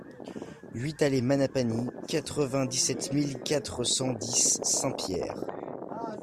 huit allée Manapany, quatre-vingt-dix-sept mille quatre cent dix Saint-Pierre